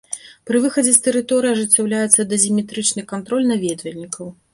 Пры выхадзе з тэрыторыі ажыццяўляецца дазіметрычны кантроль наведвальнікаў.